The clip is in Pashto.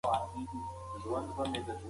دا مېوه تر ټولو نورو مېوو ډېر اوسپنه لري.